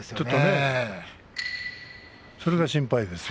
それが心配です。